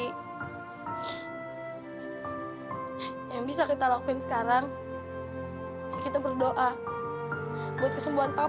yang bisa kita lakuin sekarang ya kita berdoa buat kesembuhan papa ya